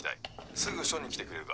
すぐ署に来てくれるか。